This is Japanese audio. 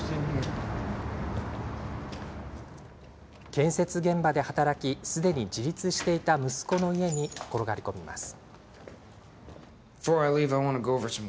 建設現場で働きすでに自立していた息子の家に転がり込みます。